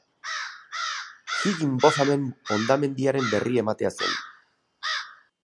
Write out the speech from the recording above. Higginbothamen hondamendiaren berri ematea zen.